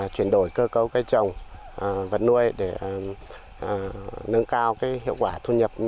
chuyển đổi cơ cấu cây trồng vật nuôi để nâng cao hiệu quả thu nhập